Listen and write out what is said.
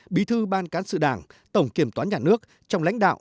bí thư ban cán sự đảng tổng kiểm toán nhà nước trong lãnh đạo